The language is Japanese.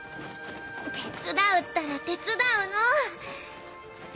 手伝うったら手伝うの。